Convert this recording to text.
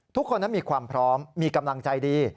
ทุกคนนั้นมีความพร้อมมีกำลังใจดี